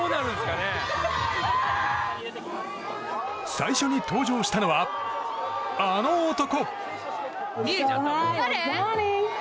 最初に登場したのはあの男。